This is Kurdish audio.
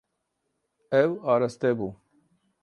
Ew araste bû.